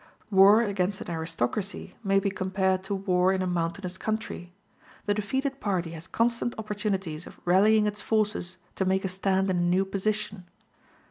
War against an aristocracy may be compared to war in a mountainous country; the defeated party has constant opportunities of rallying its forces to make a stand in a new position.